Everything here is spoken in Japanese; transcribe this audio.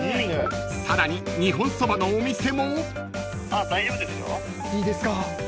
［さらに日本そばのお店も］いいですか。